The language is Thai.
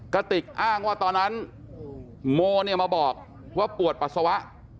กระติกอ้างว่าตอนนั้นโมเนี่ยมาบอกว่าปวดปัสสาวะ